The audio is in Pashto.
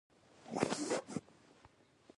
لچک هغه ځواک دی چې جسم بېرته اصلي حالت ته راولي.